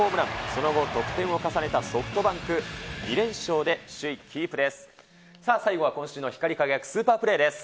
その後、得点を重ねたソフトバンク、２連勝で首位キープです。